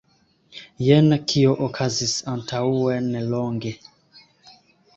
Jen kio okazis antaŭnelonge.